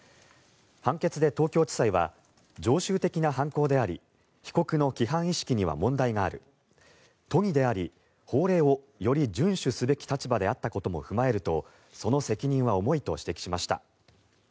判決で東京地裁は常習的な犯行であり被告の規範意識には問題がある都議であり法令をより順守すべき立場であったことも踏まえるとその責任は重いと指摘しました。